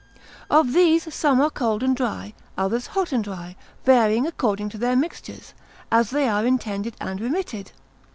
Of these some are cold and dry, others hot and dry, varying according to their mixtures, as they are intended, and remitted.